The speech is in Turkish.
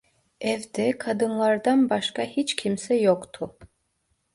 Evde kadınlardan başka hiç kimse yoktu.